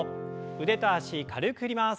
腕と脚軽く振ります。